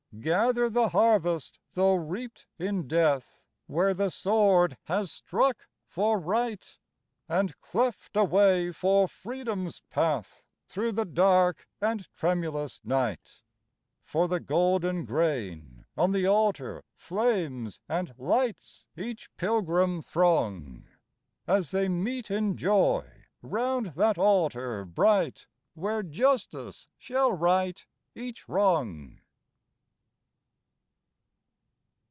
Gather the harvest though reaped in death, Where the sword has struck for Right, And cleft a way for Freedom's path. Through the dark and tremulous night: For the golden grain on the altar flames And lights each pilgrim throng, z\s they meet in joy 'round that altar bright Where Justice shall right each wrong.